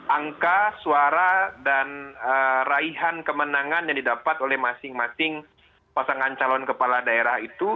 angka suara dan raihan kemenangan yang didapat oleh masing masing pasangan calon kepala daerah itu